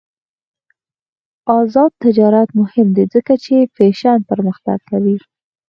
آزاد تجارت مهم دی ځکه چې فیشن پرمختګ کوي.